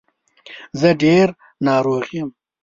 زه ډېر ناروغ یم.